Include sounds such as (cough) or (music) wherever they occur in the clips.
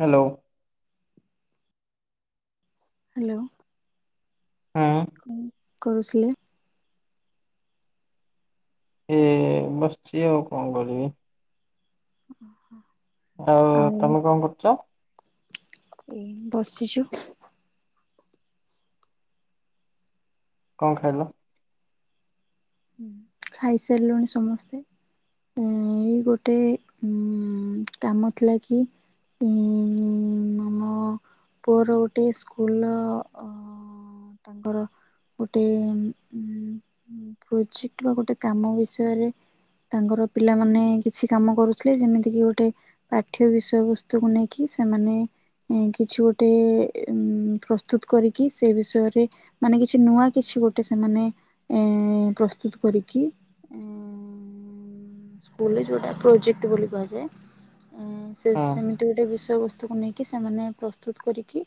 Hello hello. ହଁ କଣ କରୁଥିଲେ? ଏ ବସିଛି ଆଉ କଣ କରିବି? (unintelligible) ଆଉ ତମେ କଣ କରୁଛ? ଏ ବସିଛୁ। କଣ ଖାଇଲ? ଖାଇସାରିଲୁଣି ସମସ୍ତେ। ଏଇ ଗୋଟେ କାମ ଥିଲା କି ଆମ ପୁଅର ଗୋଟେ ସ୍କୁଲ ର ତାଙ୍କର ଗୋଟେ ପ୍ରୋଜେ ଟ ଗୋଟେ କାମ ବିଷୟରେ ତାଙ୍କର ପିଲାମାନେ କିଛି କାମ କରୁଥିଲେ ଯେମିତି କିି ଗୋଟେ ପାଠ୍ୟ ବିଷୟବସ୍ତୁକୁ ନେଇକି ସେମାନେ କିଛି ଗୋଟେ ପ୍ରସ୍ତୁତ କରିକି ସେ ବିଷୟରେ ମାନେ କିଛି ନୂଆ କିଛି ଗୋଟେ ସେମାନେ ଏ ପ୍ରସ୍ତୁତ କରିକି ସ୍କୁଲ୍ ରେ ଯୋଉଟା ପ୍ରୋଜେକ୍ଟ ବୋଲି କୁହାଯାଏ ହଁ (unintelligible) ଗୋଟେ ଗୋଟେ ବିଷୟ ବସ୍ତୁକୁ ନେଇକି ସେମାନେ ପ୍ରସ୍ତୁତ କରିକି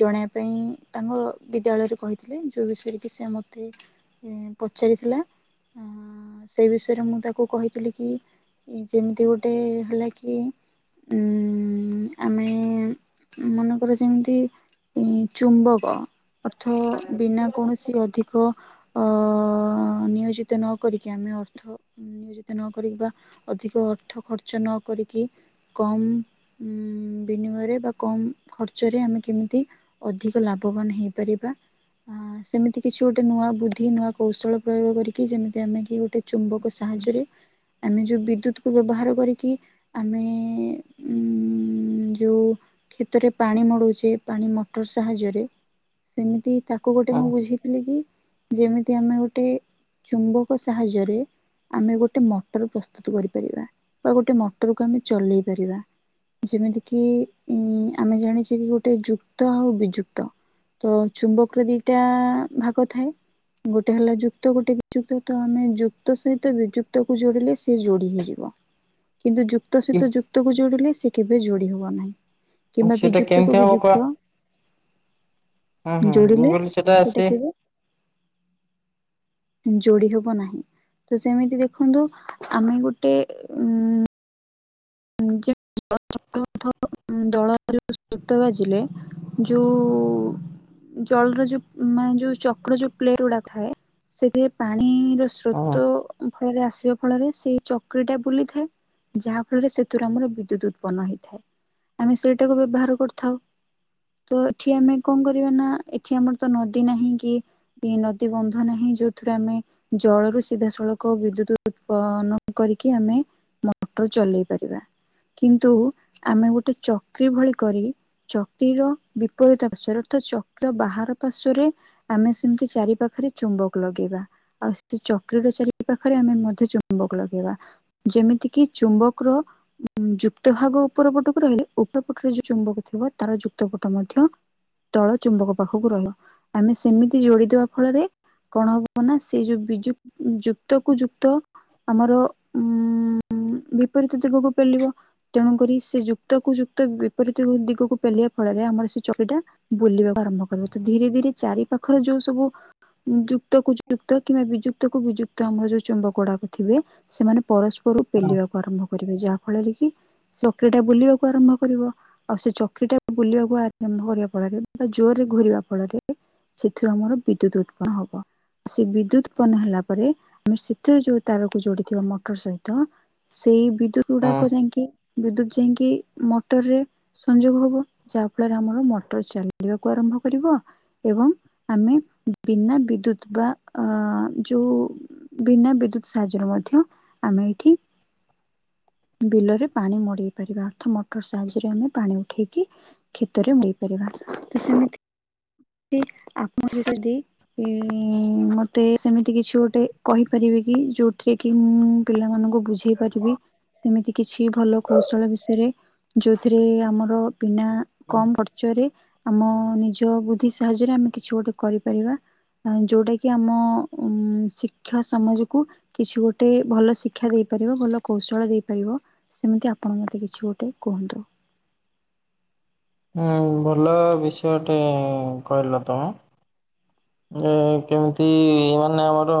ଜଣାଇବା ପାଇଁ ତାଙ୍କ ବିଦ୍ୟାଳୟରେ କହିଥିଲେ ଯେଉଁ ବିଷୟରେ କି ସେ ମୋତେ ପଚାରିଥିଲା। ସେଇ ବିଷୟରେ ମୁଁ ତାକୁ କହିଥିଲି କି ଯେମିତି ଗୋଟେ ହେଲା କି ଉ ଆମେ ମନେକର ଯେମିତି ଏ ଚୁମ୍ବକ ଅର୍ଥ ବିନା କୌଣସି ଅଧିକ ଅ ନିୟୋଜିତ ନ କରିକି ଆମେ ଅର୍ଥ ନିୟୋଜିତ ନକରିକି ବା ଅଧିକ ଅର୍ଥ ଖର୍ଚ୍ଚ ନ କରିକି। କମ ଉ ବିନିମୟରେ ବା କମ ଖର୍ଚ୍ଚରେ ଆମେ କେମିତି ଅଧିକ ଲାଭବାନ ହେଇପାରିବା ସେମିତି କିଛି ଗୋଟେ ନୂଆ ବୁଦ୍ଧି ନୂଆ କୌସଳ ପ୍ରୟୋଗ କରିକି ଯେମିତି ଆମେ କି ଗୋଟେ ଚୁମ୍ବକ ସାହାଯ୍ୟରେ ଆମେ ଯୋଉ ବିଦ୍ୟୁତକୁୁ ବ୍ୟବହାର କରିକି ଆମେ ଉଁ ଯୋଉ କ୍ଷେତରେ ପାଣି ମଡ଼ଉଛେ ପାଣି ମଟର ସାହାଯ୍ୟରେ ସେମିତି ତାକୁ ଗୋଟେ ହଁ ମୁଁ ବୁଝେଇଥିଲି କି ଯେମିତି ଆମେ ଗୋଟେ ଚୁମ୍ବକ ସାହାଯ୍ୟରେ ଆମେ ଗୋଟେ ମଟର ପ୍ରସ୍ତୁତ କରିପାରିବା ବା ଗୋଟେ ମଟରକୁ ଆମେ ଚଲେଇ ପାରିବା। ଯେମିତି କିି ଆମେ ଜାଣିଛେ କି ଗୋଟେ ଯୁକ୍ତ ଆଉ ବିଯୁକ୍ତ। ତ ଚୁମ୍ବକରେ ଦିଟା ଭାଗ ଥାଏ ଗୋଟେ ହେଲା ଯୁ କ୍ତ ଗୋଟେ ବିଯୁକ୍ତ ତ ଆମେ ଯୁକ୍ତ ସହିତ ବିଯୁକ୍ତକୁ ଯୋଡ଼ିଲେ ସେ ଯୋଡ଼ି ହେଇଯିବ। କିନ୍ତୁ ଯୁକ୍ତ କି ସହିତ ଯୁକ୍ତକୁ ଯୋଡିଲେ ସେ କେବେ ଯୋଡି ହବ ନାହିଁ। କିମ୍ବା ସେଟା ବିଯୁକ୍ତ କୁ କେମିତି ହବ କୁହ ବିଯୁକ୍ତ ହୁଁ ହୁଁ ମୁଁ ଯୋଡିଲେ କହିଲି ସେଟା ସେ କେବେ ଯୋଡି ହବ ନାହିଁ ତ ସେମିତି ଦେଖନ୍ତୁ ଆମେ ଗୋଟେ ଉ (unintelligible) (unintelligible) ଦଳ ସତ ବାଜିଲେ ଯଉ ଜଳର ଯୋଉ ମାନେ ଯୋଉ ଚକ୍ର ଯୋଉ ପ୍ଲେଟ ଗୁଡା ଥାଏ ସେଥିରେ ପାଣିର ସୁ ହଁ ତ ତ ଫଳରେ ଆସିବା ଫଳରେ ସେଇ ଚକ୍ରି ଟା ବୁଲିଥାଏ ଯା ଫଳରେ ସେଥିରୁ ଆମର ବିଦ୍ୟୁତ ଉ ବନା ହେଇଥାଏ ଆମେ ସେଇଟାକୁ ବ୍ୟବହାର କରିଥାଉ। ତ ଏଠି ଆମେ କଣ କରିବା ନା ଏଠି ଆମର ତ ନଦୀ ନାହିଁ କି କି ନଦୀ ବନ୍ଧ ନାହିଁ ଯୋଉଥିରେ ଆମେ ଜଳରୁ ସିଧାସଳଖ ବିଦ୍ୟୁତ ଉତ୍ପନ କରିକି ଆମେ ମଟ (unintelligible) ଚଲେଇ ପାରିବା। କିନ୍ତୁ ଆମେ ଗୋଟେ ଚକ୍ରି ଭଳି କରି ଚକିର ବିପରୀତ (unintelligible) ରେ ଅର୍ଥ ଚକିର ବାହାର ପାର୍ଶ୍ଵରେ ଆମେ ସେମିତି ଚାରି ପାଖରେ ଚୁମ୍ବକ ଲଗେଇବା। ଆଉ ସେ ଚକ୍ରି ର ଚାରି ପାଖରେ ଆମେ ମଧ୍ୟ ଚୁମ୍ବକ ଲଗେଇବା। ଯେମିତି କିି ଚୁମ୍ବକ ର ଉ ଯୁକ୍ତ ଭାଗ ଉପର ପଟକୁ ରହିଲେ ଉପର ପଟରେ ଯୋଉ ଚୁମ୍ବକ ଥିବ ତାର ଯୁକ୍ତ ପଟ ମଧ୍ୟ ତଳ ଚୁମ୍ବକ ପାଖକୁ ର (unintelligible) ଆମେ ସେମିତି ଯୋଡିଦବା ଫଳରେ କଣ ହ (unintelligible) ବିଜୁକ୍ ଯୁକ୍ କ୍ତ ଯୁକ୍ତ କୁ ଯୁକ୍ତ ଆମର ଉ ବିପରୀତ ଦିଗକୁ ପେଲିବ ତେଣୁକରି ସେ ଯୁକ୍ତକୁୁ ଯୁକ୍ତ ବିପରୀତ ଦିଗକୁ ପେଲିବା ଫଳରେ ଆମର ସେ ଚକିଟା ବୁଲିବାକୁ ଆରମ୍ଭ କରିବ ତ ଧୀରେ ଧୀରେ ଚାରି ପାଖରେ ଯୋଉ ସବୁ ଯୁକ୍ତକୁ ଯୁକ୍ତ କିମ୍ବା ବିଯୁକ୍ତକୁ ବିଯୁକ୍ତ ଆମର ଯୋଉ ଚୁମ୍ବକ (unintelligible) ଥିବେ ସେମାନେ ପରସ୍ପର ହଁ ପେଲିବାକୁ ଆରମ୍ଭ କରିବେ ଯାହା ଫଳରେ କି ଚକ୍ରିଟା ବୁଲିବାକୁ ଆରମ୍ଭ କରିବ। ଆଉ ସେ ଚକ୍ରିଟା ବୁଲିବାକୁ ଆରମ୍ଭ କରିବା ଫଳରେ ବା ଜୋରରେ ଘୁରିବା ଫଳରେ। ସେଥିରୁ ଆମର ବିଦ୍ୟୁତ ଉତ୍ପନ ହବ। ସେ ବିଦ୍ୟୁତ (unintelligible) ହେଲା ପରେ ଆମେ ସେଥି ଯୋଉ ତାରକୁ ଯୋଡିଥିବା ମଟର ସହିତ ସେଇ ବିଦ୍ୟୁତ ହଁ ଗୁଡାକ ଯାଇଁକି ବିଦ୍ୟୁତ ଯାଇଁକି ମଟରରେ ସଂଯୋଗ ହବ ଯାହା ଫଳରେ ଆମର ମଟର ଚାଲିବାକୁ ଆରମ୍ଭ କରିବ। ଏବଂ ଆମେ ବିନା ବିଦ୍ୟୁତ ବା ଅ ଯୋଉ ବିନା ବିଦ୍ୟୁତ ସାହାଯ୍ୟରେ ମଧ୍ୟ ଆମେ ଏଠି ବିଲରେ ପାଣି ମଡେଇ ପାରିବା (unintelligible) ମଟର ସାହାଯ୍ୟରେ ଆମେ ପାଣି ଉଠେଇକି କ୍ଷେତରେ (unintelligible) ପାରିବା ତ ସେମିତି (unintelligible) ଆପଣ ଯଦି ଇ ମତେ ସେମିତି କିଛି ଗୋଟେ କହିପାରିବେ କି ଯଉଁଥିରେ କି ମୁଁ ପିଲାମାନଙ୍କୁ ବୁଝେଇ ପାରିବି। ସେମିତି କିଛି ଭଲ କୌଶଳ ବିଷୟରେ ଯୋଉଥିରେ ଆମର ବିନା କମ ଅର୍ଚ୍ଚରେ ଆମ ନିଜ ବୁଦ୍ଧି ସାହାଯ୍ୟରେ ଆମେ କିଛି ଗୋଟେ କରିପାରିବା। ଯୋଉଟା କିି ଆମ ଉ ଶିକ୍ଷା ସମାଜକୁ କିଛି ଗୋଟେ ଭଲ ଶିକ୍ଷା ଦେଇପାରିବା ଭଲ କୌଶଳ ଦେଇ (unintelligible) ସେମିତି ଆପଣଙ୍କ ମତେ କିଛି ଗୋଟେ କୁହନ୍ତୁ। ଉଁ ଭଲ ବିଷୟଟେ କହିଲ ତମେ। ଏ କେମିତି (unintelligible) ଆମର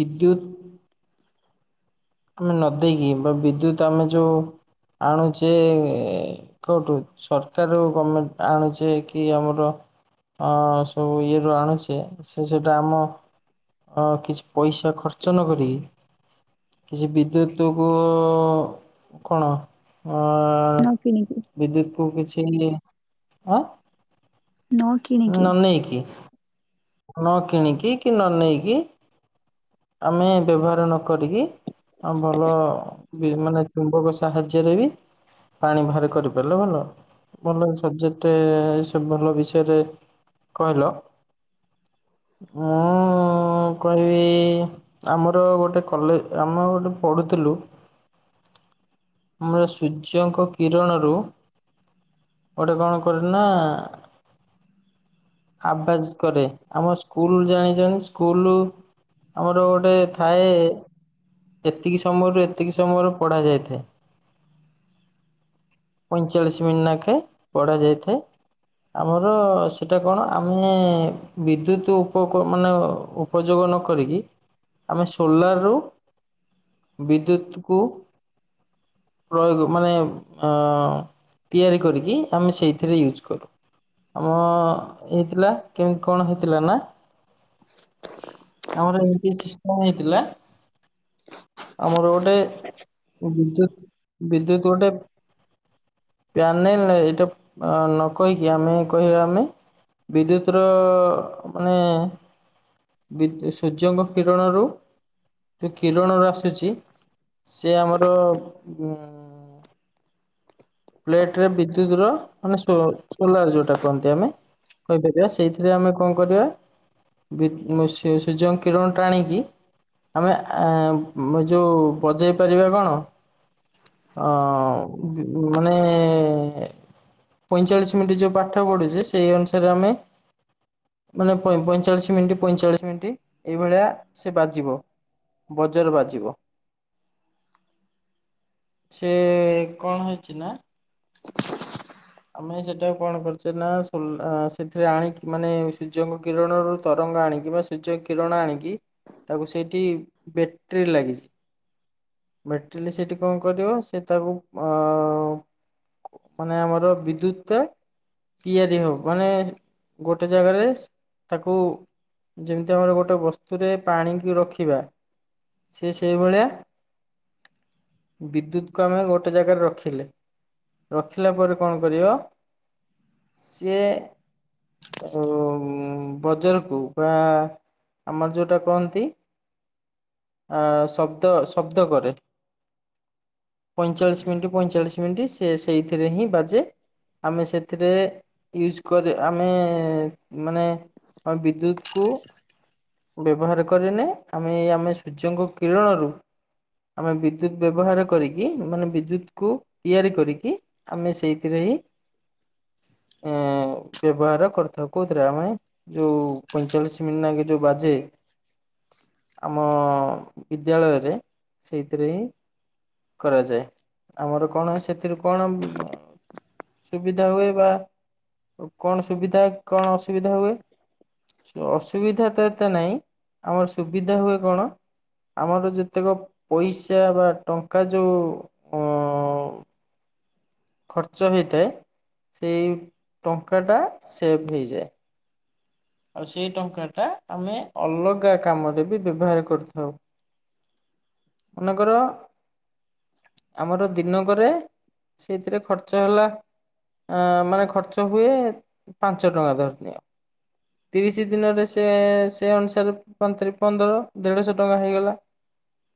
ବିଦ୍ୟୁତ ଆମେ ନ ଦେଇକି ବା ବିଦ୍ୟୁତ୍ ଆମେ ଯେଉଁ ଆଣୁଛେ କୋଉଠୁ ସରକାର ଗର୍ମେଣ୍ଟ ଆଣୁଛେ କି ଆମର? ଅ ସବୁ ଇଏ ରୁ ଆଣୁଛେ ସେ ସେଟା ଆମ ଅ କିଛି ପଇସା ଖର୍ଚ୍ଚ ନ କରିକି କିଛି ବିଦ୍ୟୁତକୁ କଣ ଅ ନ କିଣିକି ବିଦ୍ୟୁତ କୁ କିଛି ଆଁ ନ କିଣିକି ନ ନେଇକି ନ କିଣିକି କି, ନ ନେଇେଇକି, ଆମେ ବ୍ୟବହାର ନ କରିକି ଆଉ ଭଲ ମାନେ ଚୁମ୍ବକ ସାହାଯ୍ୟରେ ବି ପାଣି ବାହାରେ କରିପାରିଲେ ଭଲ। ଭଲ ସବଜେକ୍ଟ ଏ ସବୁ ଭଲ ବିଷୟରେ, କହିଲ। ମୁଁ ମୁଁ କହିବି ଆମର ଗୋଟେ କଲେ ଆମେ ଗୋଟେ ପଢ଼ୁଥିଲୁ ଆମର ସୂର୍ଯ୍ୟଙ୍କ କିରଣରୁ ଗୋଟେ କଣ କରିଲୁ ନା ଆବଜ୍ କରେ ଆମ ସ୍କୁଲ ଜାଣିଚନ୍ତି ସ୍କୁଲରୁ ଆମର ଗୋଟେ ଥାଏ ଏତିକି ସମୟରୁ ଏତିକି ସମୟରୁ ପଢା ଯାଇଥାଏ। ପଇଁଚାଳିଶ ମିନ୍ନାକେ ଲାଖେ ପଢ଼ାଯାଇଥାଏ। ଆମର ସେଇଟା କଣ ଆମେ ବିଦ୍ୟୁତ ଉପକ ମାନେ ଉପଯୋଗ ନ କରିକି ଆମେ ସୋଲାରରୁ ବିଦ୍ୟୁତ କୁ ପ୍ରୟୋଗ ମାନେ ଅ ତିଆରି କରିକି ଆମେ ସେଇଥିରେ ୟୁଜ୍ କରୁ। ଆମ ହେଇଥିଲା କେମିତି କଣ ହେଇଥିଲା ନା ଆମର ଏମତି ସିଷ୍ଟମ ହେଇଥିଲା ଆମର ଗୋଟେ ବିଦ୍ୟୁତୁ ବିଦ୍ୟୁତୁ ଗୋଟେ ପ୍ୟାନେଲ ନାଇ ଏଇଟା ନ କହିକି ଆମେ କହିବା ଆମେ ବିଦ୍ୟୁତ ର ମାନେ ବିଦ ସୂର୍ଯ୍ୟଙ୍କ କିରଣରୁ ଯୁ କିରଣର ଆସୁଛି ସେ ଆମର ଉ ପ୍ଲେଟ ରେ ବିଦ୍ୟୁତ ର ମାନେ ସୋ ସୋଲାର ଯୋଉଟା କହନ୍ତି ଆମେ। କହିପାରିବା ସେଇଥିରେ ଆମେ କଣ କରିବା ବି ସୁ ସୂର୍ଯ୍ୟଙ୍କ କିରଣ ଟାଣୀ କି ଆମେ ଆଁ ମ ଯୋଉ ବଜେଇ ପାରିବା କଣ? ଅ ବି ମାନେ ପଇଁଚାଳିଶ ମିନିଟ୍ ଯୋଉ ପାଠ ପଢୁଛେ ସେଇ ଅନୁସାରେ ଆମେ ମାନେ ପଇଁଚାଳିଶ ମିନିଟ୍, ପଇଁଚାଳିଶ ମିନିଟ୍ ଏଇଭଳିଆ ସେ ବାଜିବ। ବଜର ବାଜିବ। ସେ କଣ ହେଇଚି ନା ଆମେ ସେଟାକୁ କଣ କରୁଚେ ନା ସୋ ସେଥିରେ ଆଣିକି ମାନେ ସୂର୍ଯ୍ୟଙ୍କ କିରଣରୁ ତରଙ୍ଗ ଆଣିକି ବା ସୂର୍ଯ୍ୟଙ୍କ କିରଣ ଆଣିକି ତାକୁ ସେଇଠି ବେଟ୍ରି ଲାଗିଚି। ମେଟ୍ରିଲି ସେଠି କଣ କରିବ ସେ ତାକୁ ଅ ଅ ମାନେ ଆମର ବିଦ୍ୟୁତ ତେ ତିଆରି ହବ୍ ମାନେ ଗୋଟେ ଜାଗାରେ ତାକୁ ଯେମିତି ଆମର ଗୋଟେ ବସ୍ତୁରେ ପାଣିକି ରଖିବା ସିଏ ସେଇଭଳିଆ ବିଦ୍ୟୁତକୁୁ ଆମେ ଗୋଟେ ଜାଗାରେ ରଖିଲେ। ରଖିଲା ପରେ କଣ କରିବ? ସିଏ ଉ ବଜରକୁ ପୁରା ଆମର ଯୋଉଟା କଅନ୍ତି ଅ ଶବ୍ଦ ଶବ ଶବ୍ଦ କରେ। ପଇଁଚାଳିଶ ମିନିଟ୍ ପଇଁଚାଳିଶ ମିନିଟ୍ ସେ ସେଇଥିରେ ହିଁ ବାଜେ। ଆମେ ସେଥିରେ ୟୁଜ୍ କରେ। ଆମେ ମାନେ ହଁ ବିଦ୍ୟୁତ କୁ ବ୍ୟବହାର କରିନେ ଆମେ ଆମେ ସୂର୍ଯ୍ୟଙ୍କ କିରଣରୁ ଆମେ ବିଦ୍ୟୁତ ବ୍ୟବହାର କରିକି ମାନେ ବିଦ୍ୟୁତ କୁ ତିଆରି କରିକି ଆମେ ସେଇଥିରେ ହିଁ। ଏ ବ୍ୟବହାର କରିଥାଉ। କୋଉଥିରେ ଆମେ ଯୋଉ ପଇଁଚାଳିଶ ମିନି ଯୋଉ ବାଜେ। ଆମ ବିଦ୍ୟାଳୟରେ ସେଇଥିରେ ହିଁ କରାଯାଏ ଆମର କଣ ସେଥିରୁ କଣ ସୁବିଧା ହୁଏ ବା କଣ ସୁବିଧା କଣ ଅସୁବିଧା ହୁଏ? ଅସୁବିଧା ତ ଏତେ ନାଇଁ ଆମର ସୁବିଧା ହୁଏ କଣ ଆମର ଯେତେକ ପଇସା ବା ଟଙ୍କା ଯୋଉଁ ଅ ଖର୍ଚ୍ଚ ହେଇଥାଏ ସେଇ ଟଙ୍କା ଟା ସେଭ ହେଇଯାଏ। ଆଉ ସେଇ ଟଙ୍କାଟା ଆମେ ଅଲଗା କାମରେ ବି ବ୍ୟବହାର କରିଥାଉ। ମନେକର ଆମର ଦିନକରେ ସେଇଥିରେ ଖର୍ଚ୍ଚ ହେଲା ଅ ମାନେ ଖର୍ଚ୍ଚ ହୁଏ ପାଞ୍ଚ ଟଙ୍କା ଧରିନିଅ। ତିରିଶ ଦିନରେ ସେ ସେ ଅନୁସାରେ ପନ୍ଦର ଦେଢଶହ ଟଙ୍କା ହେଇଗଲା।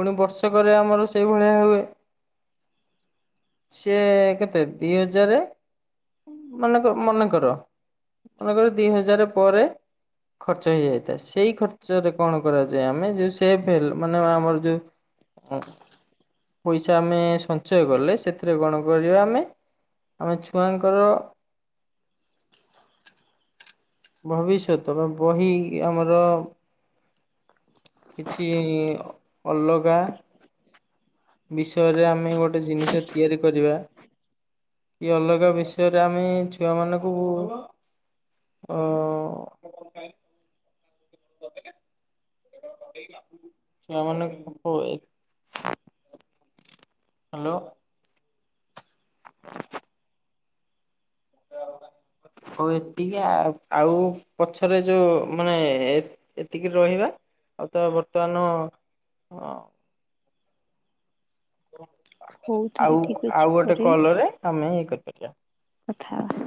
ପୁଣି ବର୍ଷକରେ ଆମର ସେଇଭଳିଆ ହୁଏ। ସେ କେତେ ଦି ହଜାର। ମନେକ ମନେ କର ମନେ ଦି ହଜାର ପରେ ଖର୍ଚ୍ଚ ହେଇଯାଇଥାଏ ସେଇ ଖର୍ଚ୍ଚରେ କଣ କରାଯାଏ ଆମେ ଯେଉ ସେଫ ହେଲ ମାନେ ଆମର ଯୋଉଁ ଉଁ ପଇସା ଆମେ ସଞ୍ଚୟ କଲେ ସେଥିରେ କଣ କରିବା ଆମେ ଆମେ ଛୁଆଙ୍କର ଭବିଷ୍ୟତ ବହି ଆମର କିଛି ଅଲଗା। ବିଷୟରେ ଆମେ ଗୋଟେ ଜିନିଷ ତିଆରି କରିବା। ଇ ଅଲଗା ବିଷୟରେ ଆମେ ଛୁଆ ମାନଙ୍କୁ ଅ (inaudible) (unintelligible) ହ୍ୟାଲୋ। (inaudible) ହଉ ଏତିକି ଆଉ ଆଉ ପଛରେ ଯୋଉ ମାନେ ଏତିକି ରହିବା ଆଉ ତ ବର୍ତ୍ତମାନ ଅ ହଉ ତାହେଲେ ଆଉ ଠିକ ଅଛି ଆଉ ଗୋଟେ ପରେ କଲରେ ଆମେ ଇଏ କରିପାରିବା। କଥା ହଵା।